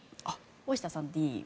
大下さん、Ｄ。